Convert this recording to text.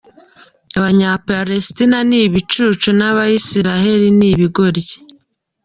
Abanyapalesitina ni ibicucu n’abanyayisiraheli ni ibigoryi.